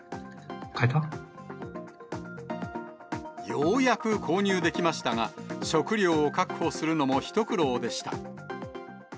ようやく購入できましたが、食料を確保するのも一苦労でした。